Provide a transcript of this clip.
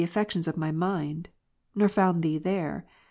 203 affections of my mind, nor found Thee there.